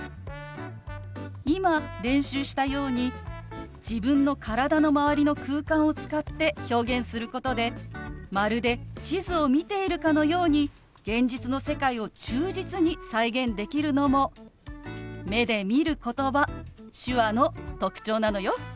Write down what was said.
今練習したように自分の体の周りの空間を使って表現することでまるで地図を見ているかのように現実の世界を忠実に再現できるのも目で見る言葉手話の特徴なのよ。